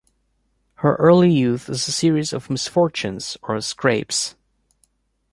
Her early youth is a series of misfortunes or scrapes.